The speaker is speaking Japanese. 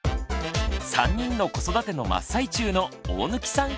３人の子育ての真っ最中の大貫さん